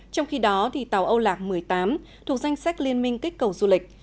trong khi đó tàu âu lạc một mươi tám thuộc danh sách liên minh kích cầu du lịch